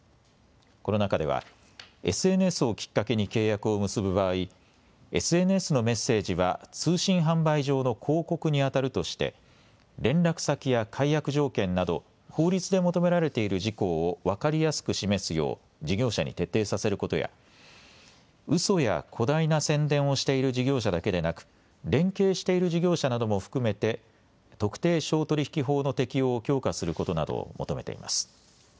この中ではＳＮＳをきっかけに契約を結ぶ場合、ＳＮＳのメッセージは通信販売上の広告にあたるとして連絡先や解約条件など法律で求められている事項を分かりやすく示すよう事業者に徹底させることやうそや誇大な宣伝をしている事業者だけでなく連携している事業者なども含めて特定商取引法の適用を強化することなどを求めています。